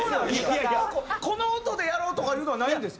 この音でやろうとかいうのはないんですか？